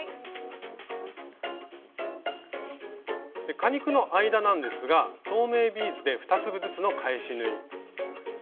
果肉の間なんですが透明ビーズで２粒ずつの返し縫い。